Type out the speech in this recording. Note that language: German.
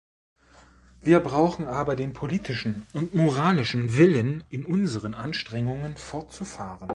Wir brauchen aber den politischen und moralischen Willen, in unseren Anstrengungen fortzufahren.